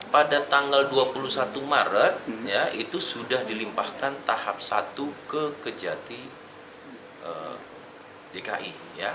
pada tanggal dua puluh satu maret itu sudah dilimpahkan tahap satu ke kejati dki